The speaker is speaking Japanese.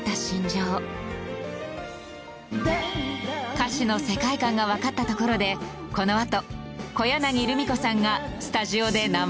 歌詞の世界観がわかったところでこのあと小柳ルミ子さんがスタジオで生歌唱！